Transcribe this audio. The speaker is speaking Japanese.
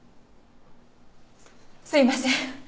すいません。